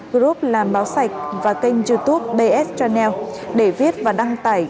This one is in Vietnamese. group làm báo sạch và kênh youtube bs channel để viết và đăng tải